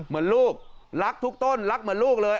เหมือนลูกรักทุกต้นรักเหมือนลูกเลย